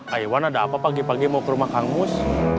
ayo wan ada apa pagi pagi mau ke rumah kang mus